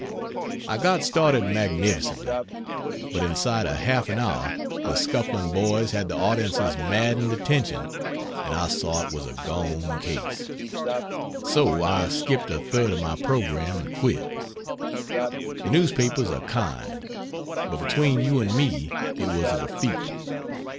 I got started magnificently, but inside of half an hour the scuffling boys had the audience's maddened attention and I saw it was a gone case; so I skipped a third of my program and quit. The newspapers are kind, but between you and me it was a defeat.